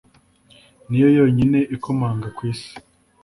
niyo yonyine ikomanga ku isi